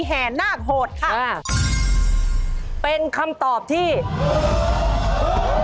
หากจากคำตอบที่๔ข้อ